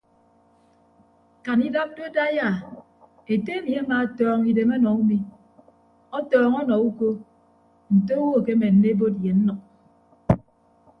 Kan idap do daiya ete emi amaatọọñ idem ọnọ umi ọtọọñ ọnọ uko nte owo akemenne ebot ye nnʌk.